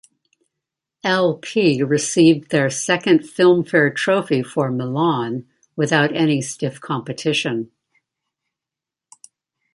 L-P received their second Filmfare Trophy for "Milan" without any stiff competition.